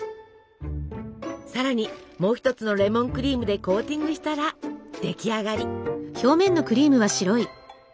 さらにもう一つのレモンクリームでコーティングしたら出来上がり！